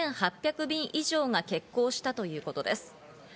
便以上が欠航したということです。